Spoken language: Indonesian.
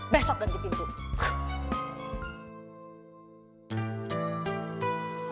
besok ganti pintu